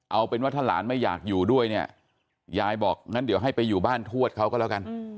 เอาเป็นว่าถ้าหลานไม่อยากอยู่ด้วยเนี่ยยายบอกงั้นเดี๋ยวให้ไปอยู่บ้านทวดเขาก็แล้วกัน